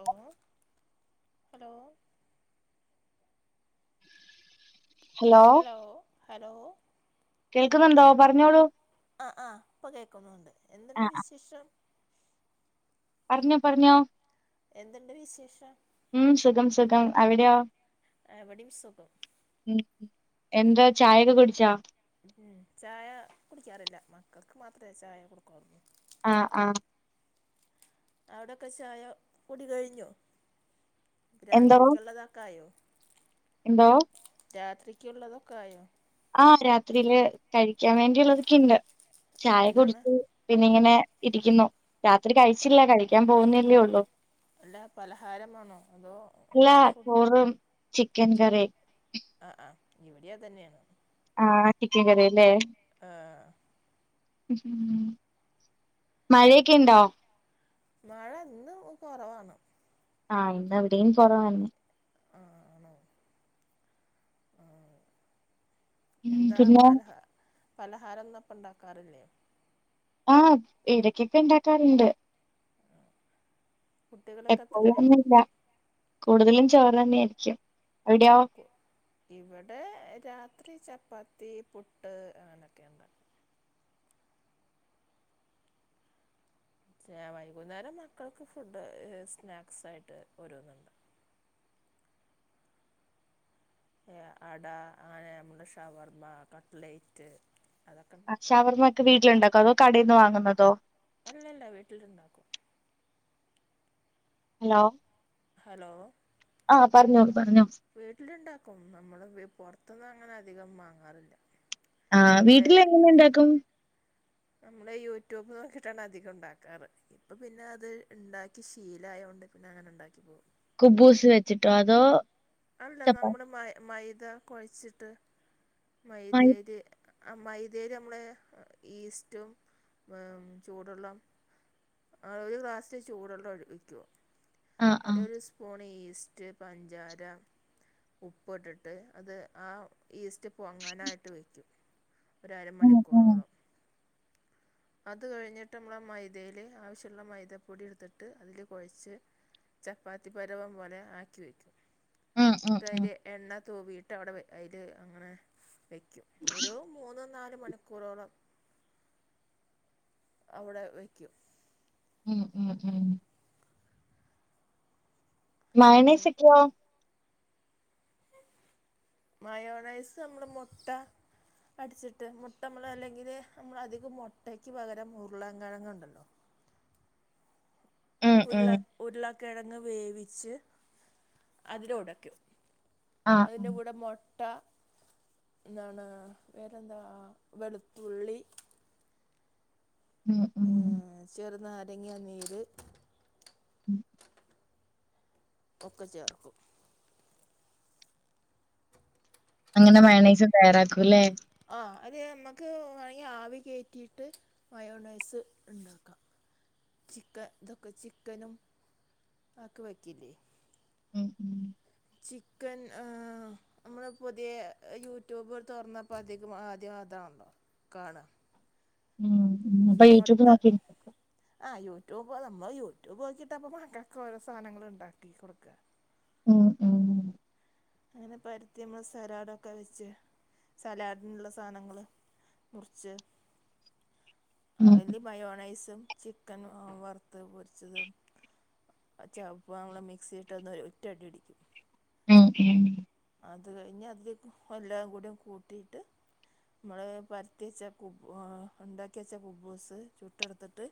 ഓ hello hello hello കേൾക്കുന്നുണ്ടോ പറഞ്ഞോളൂ ആ ആ ഇപ്പൊ കേൾക്കുന്നുണ്ട് എന്തുണ്ട് വിശേഷം പറഞ്ഞോ പറഞ്ഞോ എന്തുണ്ട് വിശേഷം ഉം സുഖം സുഖം അവിടെയാ ഇവിടെയും സുഖം എന്താ ചായയൊക്കെ കുടിച്ചാ ഉം ചായ കുടിക്കാറില്ല മക്കൾക്ക് മാത്രമേ ചായ കൊടുക്കുള്ളു ആഹ് ആഹ അവിടൊക്കെ ചായ കുടി കഴിഞ്ഞാ എന്തോ രാത്രിക്കുള്ളതാക്കായോ എന്തോ രാത്രിക്കുള്ളതൊക്കെ ആയോ ആരാത്രിയില് കഴിക്കാൻ വേണ്ടിയുള്ളതൊക്കെ ഇണ്ട് ചായ എന്താണ് കുടിച്ച് പിന്ന ഇങ്ങനെ ഇരിക്കുന്നു രാത്രി കഴിച്ചില്ല കഴിക്കാൻ പോകുന്നല്ലേ ഉള്ളൂ അല്ല പലഹാരമാണോ അതോ അല്ല നമ്മള് ചോറും ചിക്കൻ ഫുഡാ കറി ആ ആ ഇവിടെയ തന്നെയാണ് ആഹ ചിക്കൻ കറില്ലേ ആ ഉംമഴയൊക്കെ ഉണ്ടോ മഴ ഇന്ന് കുറവാണ് ആഹ് ഇന്നാ ഇവിടെയും കൊറവാണ് ആ ആണോ ആ ഉം എന്താ പിന്നെ പലഹ പലഹാരംന്ന ഇപ്പം ഉണ്ടാക്കാറില്ലേ ആഹ് ഇടക്കൊക്കെ ഉണ്ടാക്കാറുണ്ട് കുട്ടികളൊക്കെ എപ്പോഴും എത്രവേ ഒന്നില്ല കൂടുതലും ചോറ് തന്നെയ ആയിരിക്കും അവിടെയോ ഇവിടെ രാത്രി ചപ്പാത്തി പുട്ട് അങ്ങനൊക്കെയുണ്ട് ചെ വൈകുന്നേരം മക്കൾക്ക് ഫുഡ് സ്നാക്സായിട്ട് ഒരുന്നുണ്ട് അട ആ ഞമ്മടെ ഷവർമ്മ കട്ട്ലൈറ്റ് ക്ഷ ഷവർമ്മൊക്കെ വീട്ടിലുണ്ടാക്കോ അതോ കടയി നിന്ന് വാങ്ങുന്നതോ അല്ലല്ല വീട്ടിലിണ്ടാക്കും ഹലോ ഹലോ ആഹ പറഞ്ഞോളു പറഞ്ഞോ വീട്ടിലുണ്ടാക്കും നമ്മള് പൊറത്തന്ന് അങ്ങനെ അധികം വാങ്ങാറില്ല ആ നമ്മൾ വീട്ടിൽ എങ്ങനെ ഉണ്ടാക്കും നമ്മള് യൂട്യൂബ് നോക്കിയിട്ടാണ് അധികം ഉണ്ടാക്കാറ് ഇപ്പൊ പിന്നെ അത് ഉണ്ടാക്കി ശീലായതോണ്ട് പിന്നെ അങ്ങനെ ഉണ്ടാക്കി പോകും കുബൂസ് വെച്ചിട്ടോ അതോ അല്ല ചപ്പാ നമ്മള് മ മൈദ കൊഴച്ചിട്ട് മൈ മൈദയേല് ആ മൈദേല് നമ്മള് ഈസ്റ്റും ചൂടെള്ളം ആ ഒരു ഗ്ലാസ്സില് ചൂടള്ളം ഒഴിക്കും ആഹ് അയ്ല് ആഹ് ഒരു സ്പൂൺ ഈസ്റ്റ്, പഞ്ചാര, ഉപ്പു ഇട്ടിട്ട് അത് ആ ഈസ്റ്റ് പൊങ്ങാനായിട്ട് വയ്ക്കും ഉം ഉം ഒരരമണിക്കൂറോളം. അത് കഴിഞ്ഞിട്ട് മ്മളെ മൈദയില് ആവശ്യള്ള മൈദപ്പൊടി എടുത്തിട്ട് അതില് കൊഴച്ച് ചപ്പാത്തി പരുവം പോലെ ആക്കി വക്കുക ഉം ഉം ഇന്നട്ട് അയ്ല് എണ്ണ തൂവിയിട്ട് അവിടെ അയ്ല് അങ്ങനെ വെക്ക ഒരു മൂന്നോ നാലോ മണിക്കൂറോളം അവിടെ വയ്ക്കും ഉം ഉം ഉം എന്നിട്ട് മയണേസെക്കോ മയോണൈസ് നമ്മള മുട്ട അടിച്ചിട്ട് മുട്ട നമ്മള് അല്ലെങ്കില് നമ്മള അധികം മുട്ടക്ക് പകരം ഉരുളൻകിഴങ്ങ് ഇണ്ടല്ലോ ഉം ഉരുള ഉം ഉരുളക്കിഴങ്ങ് വേവിച്ച് അതിലുടക്കും. ആഹ് അതിന്റെ ആഹ് കൂടെ മൊ- ട്ട എന്താണ് വേറെന്താ വെളുത്തുള്ളി ഉം ഉം ആ ചെറുനാരങ്ങ നീര് ഉം ഒക്കെ ചേർക്കും അങ്ങനെ ഓ മയോണൈസും തയ്യാറാക്കുംല്ലേ ആ അത് നമ്മക്ക് വാണെങ്കി ആവികേറ്റീട്ട് മയോണൈസ് ഇണ്ടാക്ക. ചിക്ക ഇതൊക്കെ ചിക്കനും ആക്കി വെക്കില്ലേ ഉം ഉം ചിക്കൻ ആഹ് നമ്മള് പുതിയ യൂട്യൂബ് തൊറന്നപ്പോ അധികം ആദ്യം അതാ വന്നേ കാണ ഉം ഉം അപ്പൊ യൂട്യൂബ് മൊട്ട നോക്കി ആ യൂട്യൂബ് നമ്മള് യൂട്യൂബ് നോക്കീട്ടപ്പ മക്കക്ക് ഓരോ സാനങ്ങള് ഉണ്ടാക്കി കൊടുക്ക. ഉം ഉം അങ്ങനെ പരത്തി നമ്മള് സലാഡൊക്കെ വെച്ച് സലാഡിനുള്ള സാനങ്ങള് മുറിച്ച് ഉം അയ്ല് മയോണൈസും ചിക്കൻ വറുത്ത് പൊരിച്ചതും ചെല്പം നമ്മളെ മിക്സില്ട്ട് ഒന്ന് ഒറ്റ അടി അടിക്കും. ഉം ഉം അത് കഴിഞ്ഞ അതിലേക്ക് എല്ലാം കൂടിം കൂട്ടിട്ട് നമ്മള് പരത്തി വെച്ച കുബ് ഏ ഉണ്ടാക്കി വെച്ച കുബ്ബൂസ് ചുട്ടെടുത്തിട്ട്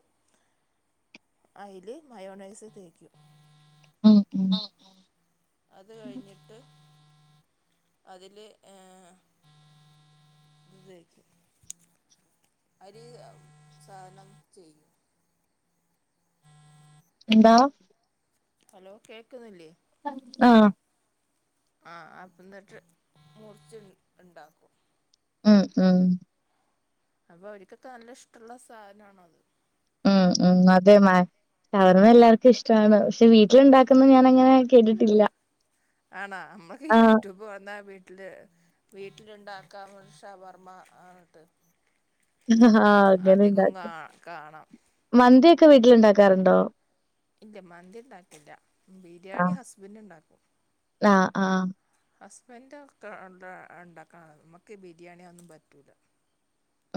അയില് മയോണൈസ് തേക്കും ഉം ഉം. അത് കഴിഞ്ഞിട്ട് അതില് ഏ ഇത് തേക്കും അരി സാനം ചെയ്യും. എന്തോ? ഹലോ, കേക്കുന്നില്ലേ? ആഹ്. ആഹ് അപ്പ ഇന്നട്ട് മുറിച്ച് ഇണ്ടാക്കും. ഉം ഉം. അപ്പൊ അവരിക്കൊക്കെ നല്ല ഇഷ്ട്ടുള്ള സാനാണത്. ഉം ഉം അതെ മ ഷവർമ്മ എല്ലാർക്കും ഇഷ്ടമാണ് പക്ഷെ വീട്ടിലുണ്ടാക്ക ക്കുന്നെ ഞാനങ്ങനെ കേട്ടിട്ടില്ല. ആണാ അമ്മക്ക് ആഹ് യൂട്യൂബ് വന്ന വീ ട്ടില് വീട്ടിലുണ്ടാക്കാ ഷവർമ്മ ആണിട്ട്. ആഹ് അങ്ങനെ കാ ഇണ്ടാക്കും കാണാം മന്തിയൊക്കെ വീട്ടിലുണ്ടാക്കാറുണ്ടോ? ഇല്ല മന്തി ഉണ്ടാക്കില്ല ബിരിയാണി ആഹ് ഹസ്ബൻഡ് ഇണ്ടാക്കും. ആഹ് ആഹ്. ഹസ്ബൻഡ് ഒക്കെ ഇണ്ട ഇണ്ടാക്ക നമ്മക്ക് ബിരിയാണി ഒന്നും പറ്റൂല.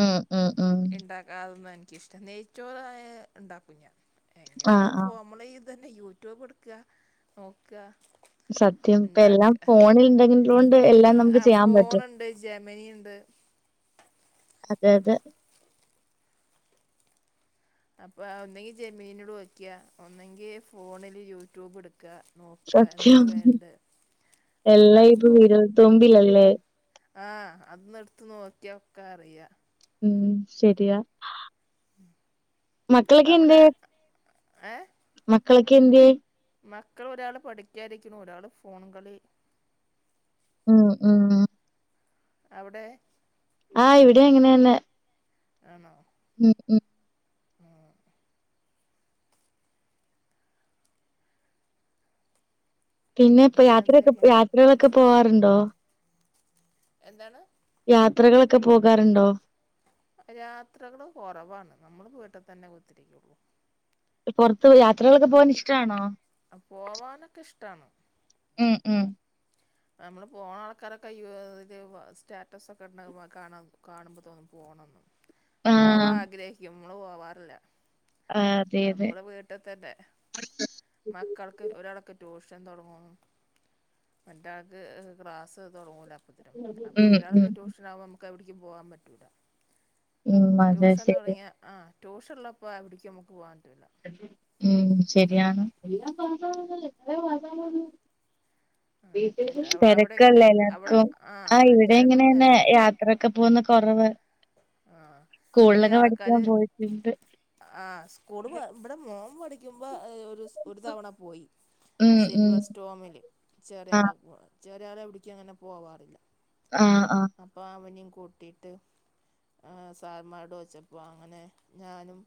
ഉം ഉം ഉം ഇണ്ടാക്കാതൊന്നും എനിക്കിഷ്ടം നെയ്ച്ചോറായ ഇണ്ടാക്കും ഞാൻ എങ്ങനെയ ആഹ് ഇപ്പൊ ആഹ് അമ്മള് അത് തന്നെ യൂട്യൂബ് എടുക്കുക നോക്ക. സത്യം ഇപ്പം എല്ലാം ഫോണിൽ ഉള്ളതു [unintelligible] എല്ലാം നമുക്ക് ആ ചെയ്യാൻ പറ്റും. ഫോണുണ്ട് ജെമിനി ഉണ്ട് അതെ അതെ. അപ്പ ഒന്നെങ്കി ജെമീനീടോക്ക്യ ഒന്നെങ്കി ഫോണില് യൂട്യൂബ് എടുക്ക. സത്യം എല്ലാം ഇപ്പം വിരൽ തുമ്പിലല്ലേ. ആഹ് അത് ഒന്ന് എടുത്ത് നോക്കിയോക്ക അറിയ. ഉം ശരിയാ. മക്കളൊക്കെ അവിടെ എന്തിയേ ഏ മക്കളൊക്കെ എന്തിയേ? മക്കൾ ഒരാള് പഠിക്കാരിക്കുണു ഒരാള് ഫോണ് കളി ഉം ഉം. അവിടെ ആഹ് ഇവിടെ ഇങ്ങനെ നന്നെ. ആന്നോ? ഉം ഉം. ആഹ്. പിന്നെ ഇപ്പം വേറെ യാത്രൊക്കെ എന്തൊക്കെയാ യാത്രകളൊക്കെ പോവാറുണ്ടോ? എന്താണ്? യാത്രകളൊക്കെ പോകാറുണ്ടോ? യാത്രകള് കൊറവാണ് നമ്മള് വീട്ട് തന്നെ കുത്തിരിക്കുള്ളൂ. പുറത്ത് യാത്രകളൊക്കെ പോവാൻ ഇഷ്ടാണോ? പോവാനൊക്കെ ഇഷ്ടാണ്. ഉം ഉം. നമ്മള് പോണ ആൾക്കാരൊക്കെ ഇയ്യ് ഇത് സ്റ്റാറ്റസ് ഒക്കെ ഇടണ കാ കാണുമ്പോ തോന്നും പോണെന്ന്. പോവാൻ ആഹ് ആഗ്രഹിക്കും നമ്മള് പോവാറില്ല അതെ അതെ നമ്മള് വീട്ടി തന്നെ. മക്കൾക്ക് ഒര് ഒരാള്ക്ക് ട്യൂഷൻ തുടങ്ങും മറ്റാൾക്ക് ക്രാസ്സ് തുടങ്ങൂല അപ്പത്തിനും അപ്പോ ഉം ഉം ഒരാൾക്ക് ട്യൂഷൻ ആവം ക്ക് എവിടേക്കും പോവാൻ പറ്റൂല ഉം അതെ ട്യൂഷൻ ശരി തുടങ്ങിയ ആഹ് ട്യൂഷനുള്ളപ്പോ എവിടേക്കും അമുക്ക് പോവാൻ പറ്റൂല. ഉം ശരിയാണ് അങ്ങനൊക്കെയായിട്ട് അവിടെ എങ്ങനെ തിരക്കല്ലേ അവിടെ എല്ലാർക്കും ആ ആഹ് ഇവിടെ എല്ലാർക്കും അങ്ങനെതന്നെ തെരക്ക് യാ ത്രയൊക്കെ പോകുന്ന കൊറവ് ആ നമ്മുടെ ഈ സ്കൂളിലൊക്കെ പഠിക്കാൻ ആൾക്കാര് പോയിട്ടിണ്ട് ആഹ് സ്കൂള് ഇവിടെ മോൻ പഠിക്കുമ്പോ ഒരു ഒരു തവണ പോയി ഉം ഉം സിലബസ് സ്റ്റോമില് ആഹ് ചെറിയയാളെ ചെറിയ ആളെ എവിടേക്കും അങ്ങനെ പോവാറില്ല ആഹ് ആഹ് അപ്പോ അവനെയും കൂട്ടിയിട്ട് ആഹ് സാർമാരോട് ചോദിച്ചപ്പോ അങ്ങനെ ഞാനും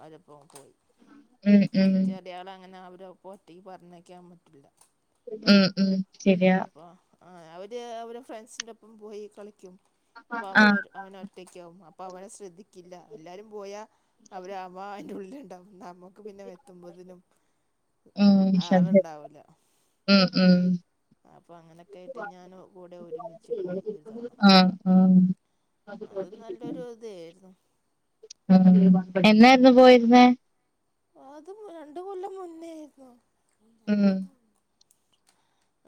അവരപ്പം പോയി ഉം ഉം ചെറിയാളെ അങ്ങനെ അവരെ ഒപ്പം ഒറ്റക്ക് പറഞ്ഞയക്കാൻ പറ്റില്ല ഉം ഉം ശരിയാ അപ്പോ അവര് അവരെ ഫ്രണ്ട്സിൻ്റെ ഒപ്പം പോയി കളിക്കും അപ്പോ അവര് ആഹ് ഒരു അങ്ങനെ ഒറ്റയ്ക്കാവും അപ്പൊ അവനെ ശ്രദ്ധിക്കില്ല എല്ലാരും പോയ അവര് ആവുമ്പോ അയ്ന്റെ ഉള്ളിൽ ഉണ്ടാവും നമു ക്ക് പിന്നെ എത്തുമ്പോതിനും ഉം ശരി ആളുണ്ടാവില്ല ഉം ഉം അപ്പൊ അങ്ങനൊക്കെ ആയിട്ട് ഞാൻ കൂടെ ഒരുമിച്ച് പോയി ഒരു തവണ ആഹ് ഉം അത് നല്ലൊരു ഇതായിരുന്നു ഉം എന്നായിരുന്നു പോയിരുന്നേ അത് രണ്ടു കൊല്ലം മുന്നോയിരുന്നോ ഉം ഉം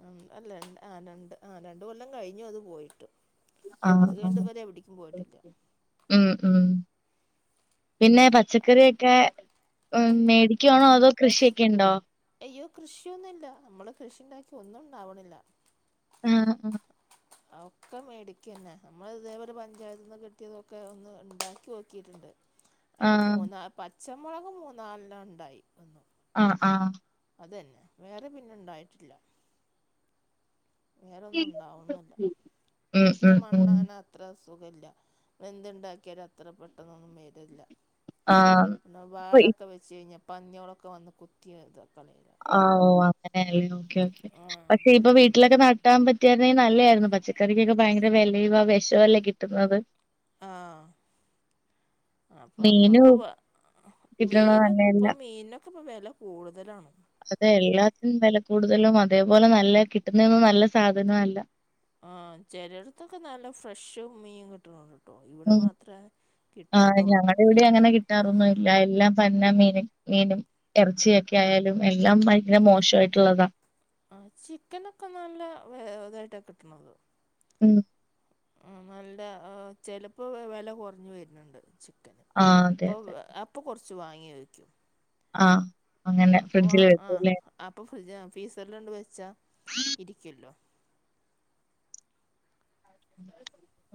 ആഹ് അല്ല രണ്ട് ആ രണ്ട് ആ രണ്ട് കൊല്ലം കഴിഞ്ഞു അത് പോയിട്ട് ആഹ് അത് കഴിഞ്ഞിട്ട് ആഹ് ഇവരെ എവിടേക്കും പോയിട്ടില്ല ഉം ഉം പിന്നെ പച്ചക്കറൊക്കെ മേടിക്കുവാണോ അതോ കൃഷിയൊക്കെ ഉണ്ടോ അയ്യോ കൃഷിയൊന്നുല്ല നമ്മള് കൃഷിണ്ടാക്കിയ ഒന്നും ഉണ്ടാവണില്ല ആഹ് ആഹ് ഒക്കെ മേടിക്ന്നെ നമ്മൾ ഇതേപോലെ പഞ്ചായത്തൽ നിന്ന് കിട്ടിയതൊക്കെ ഒന്ന് ഉണ്ടാക്കി നോക്കിയിട്ടുണ്ട് അതില് ആഹ് മൂന്നാല് പച്ചമുളക് മൂന്നാലെണ്ണം ഉണ്ടായി ഒന്നു ആഹ് ആഹ് അതന്നെ വേറെ പിന്നെ ഇണ്ടായിട്ടില്ല വേറെന്നും ഉണ്ടാവുന്നില്ല ഉം ഇവിടത്തെ ഉം മണ്ണ് ഉം അങ്ങനെ അത്ര സുഖല്ല എന്തുണ്ടാക്കിയാലും അത്ര പെട്ടെന്നൊന്നും വരില്ല ആഹ് പിന്നെ വാഴൊക്കെ വെച്ച് കഴിഞ്ഞാൽ പന്നിയാളൊക്കെ വന്ന് കുത്തിത കളയല ആഹ് ഓഹ് അങ്ങനെല്ലേ ഓക്കെ ഓക്കേ പക്ഷെ ഇ പ്പൊ വീട്ടിലൊക്കെ നട്ടാൻ പറ്റിരുന്നെങ്കിൽ നല്ലതായിരുന്നു പച്ചക്കറിക്കൊക്കെ ഭയങ്കര വിലയുവാ വിഷവല്ലേ കിട്ടുന്നത് ആഹ് അപ്പം നമ്മൾക്ക് മീനും കിട്ടണത് മീനെക്കെ തന്നെയല്ല ഇപ്പ മീനിനൊക്കെ ഇപ്പോ വില കൂടുതലാണ് അതെ എല്ലാത്തിനും വില കൂടുതലും അതേപോലെ നല്ല കിട്ടുന്നന്നും നല്ല സാധനോം അല്ല ആഹ് ചെലയടത്തൊക്കെ നല്ല ഫ്രഷും മീൻ കിട്ടുണൂണ്ട് കിട്ടും ഇവിടെ ഉം മാത്രേ ആഹ് കിട്ടാത്തുള്ളൂ ഞങ്ങടെ ഇവിടെ അങ്ങനെ കിട്ടാറൊന്നും ഇല്ല എല്ലാം പന്ന മീനും മീനും എറച്ചിയൊക്കെ ആയാലും എല്ലാം ഭയങ്കരെ മോശമായിട്ടുള്ളതാ ആഹ് ചിക്കനൊക്കെ നല്ല ഇതായിട്ടാ കിട്ടണത് ഉം ആ നല്ല ചെലപ്പൊ വെല കൊ റഞ്ഞു വരുന്നുണ്ട് ആഹ് അതെ പ്പൊ അതെ അപ്പൊ കൊറച്ച് വാങ്ങി വയ്ക്കും ആഹ് അങ്ങനെ ഫ്രിഡ്ജില് വെക്കൂ ലെ അപ്പൊ ഫ്രിഡ്ജ് ഫ്രീസറിലൊണ്ട് വെച്ചാ ഇരിക്കല്ലൊ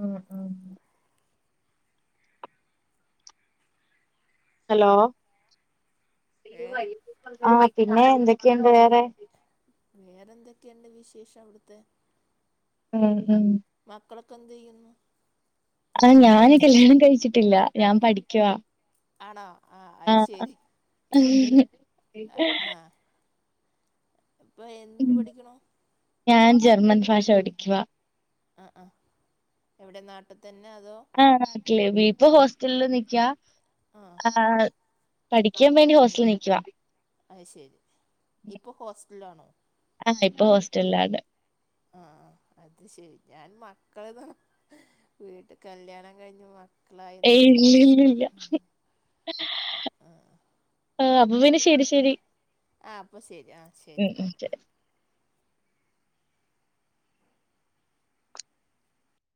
ഉം ഉം ഹലോ ഏ ആ പിന്നെ എന്തൊക്കെയുണ്ട് വേറെ വേറെന്തൊക്കെയുണ്ട് വിശേഷം അവിടുത്തെ ഉം ഉം മക്കളൊക്കെ എന്തെയ്യുന്നു ആഹ് ഞാന് കല്യാണം കഴിച്ചിട്ടില്ല ഞാൻ പഠിക്കുവാ ആണോ ആഹ അത് ആഹ് ശരി ആഹ് ആഹ് ഇപ്പൊ എന്തിന് പഠിക്കണു ഞാൻ ജർമ്മൻ ഭാഷ പഠിക്കുവാ ആഹ് ആഹ് എവിടെ നാട്ടിൽ തന്നെ അതോ ആനാട്ടില് ഇപ്പൊ ഹോസ്റ്റലില് നിക്കാ ആ ആഹ് പഠിക്കാൻ വേണ്ടി ഹോസ്റ്റലിൽ നിക്കുവാ അത്ശരി ഇപ്പൊ ഹോസ്റ്റലിലാണോ അല്ല ഇപ്പൊ ഹോസ്റ്റലിലാണ് ആഹ് ആഹ് അത് ശരി ഞാൻ മക്കളെന്ന് വീട്ട് കല്യാണം കഴിഞ്ഞു മക്കളായിന്ന് വിചാരിച്ചു ആ അപ്പൊ പിന്നെ ശരി ശരി ആ അപ്പൊ ശരി ആ ശരി ഉം ഉം എന്നാല്